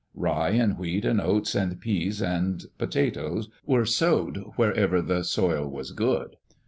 Rye and wheat and oats and pease and potatoes were sowed wherever the soil was good.